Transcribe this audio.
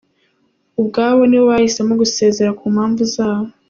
Ubwabo nibo bahisemo gusezera ku mpamvu zabo.